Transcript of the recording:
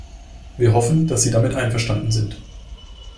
Wir hoffen, dass sie damit einverstanden sind.